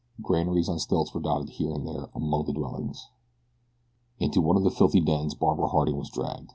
Granaries on stilts were dotted here and there among the dwellings. Into one of the filthy dens Barbara Harding was dragged.